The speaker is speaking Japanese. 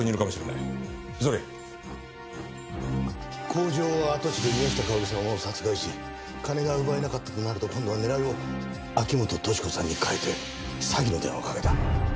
工場跡地で宮下薫さんを殺害し金が奪えなかったとなると今度は狙いを秋本敏子さんに変えて詐欺の電話をかけた。